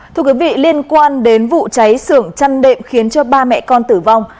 thưa quý vị liên quan đến vụ cháy sưởng chăn đệm khiến cho ba mẹ con tử vong